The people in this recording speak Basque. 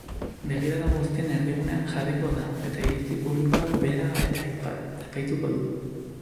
Begirada guztien erdigunean jarriko da, eta iritzi publikoak bera ere epaituko du.